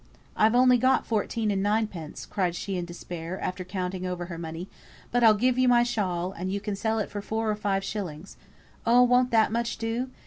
"I've only got fourteen and ninepence," cried she, in despair, after counting over her money; "but I'll give you my shawl, and you can sell it for four or five shillings, oh! won't that much do?"